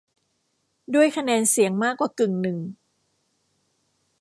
ด้วยคะแนนเสียงมากกว่ากึ่งหนึ่ง